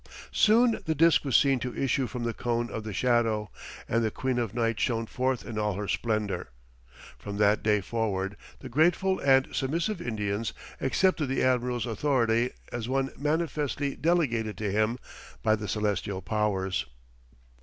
Soon the disc was seen to issue from the cone of the shadow, and the queen of night shone forth in all her splendour. From that day forward, the grateful and submissive Indians accepted the admiral's authority as one manifestly delegated to him by the celestial powers.